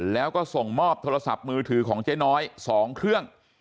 แล้วก็ส่งมอบโทรศัพท์มือถือของเจ๊น้อย๒เครื่อง